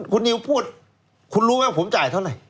คุณนิวพูดคุณรู้ไหมผมจ่ายเท่าไหร่